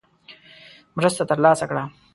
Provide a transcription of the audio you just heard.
مرسته ترلاسه کړه.